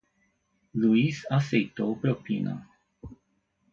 Luís aceitou propina.